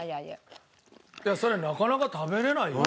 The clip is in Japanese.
それなかなか食べられないよ。